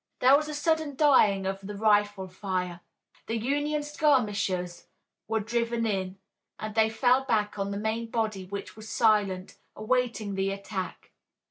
There was a sudden dying of the rifle fire. The Union skirmishers were driven in, and they fell back on the main body which was silent, awaiting the attack.